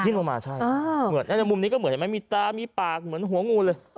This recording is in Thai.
ทิ่มลงมาใช่มุมนี้ก็เหมือนมีตามีปากเหมือนหัวงูเลย